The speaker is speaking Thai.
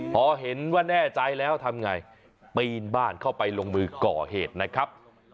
พอเห็นว่าแน่ใจแล้วทำไงปีนบ้านเข้าไปลงมือก่อเหตุนะครับ